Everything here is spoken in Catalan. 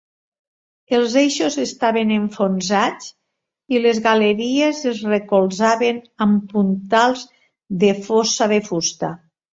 Els eixos estaven enfonsats i les galeries es recolzaven amb puntals de fossa de fusta.